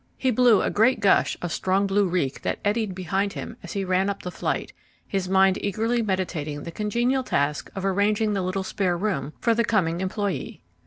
He blew a great gush of strong blue reek that eddied behind him as he ran up the flight, his mind eagerly meditating the congenial task of arranging the little spare room for the coming employee.